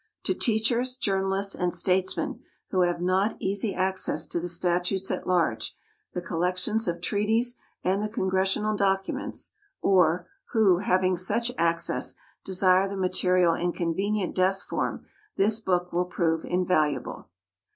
To teachers, journalists, and statesmen, who have not easy access to the Statutes at Large, the collections of treaties, and the congressional documents, or, who, having such access, desire the material in convenient desk form, this book will prove invaluable.